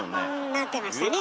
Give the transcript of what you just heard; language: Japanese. なってましたね